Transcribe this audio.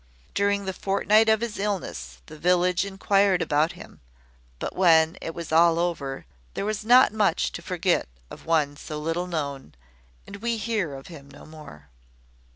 During the fortnight of his illness, the village inquired about him; but when it was all over, there was not much to forget of one so little known, and we hear of him no more.